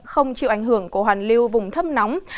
không chịu ảnh hưởng của hoàn lưu vùng thấp nóng